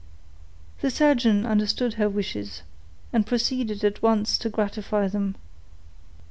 The surgeon understood her wishes, and proceeded at once to gratify them.